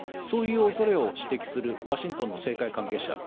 そういう恐れを指摘するワシントンの政界関係者